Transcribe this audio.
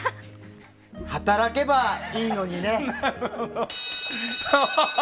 働けばいいのにね。